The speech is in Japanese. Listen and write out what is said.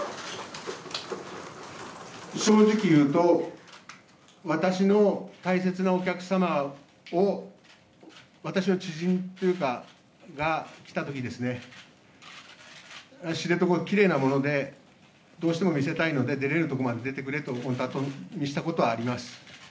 正直言うと、私の大切なお客様を、私の知人というかが来たときですね、知床、きれいなもので、どうしても見せたいので、出れる所まで出てくれと、担当に言ったことはあります。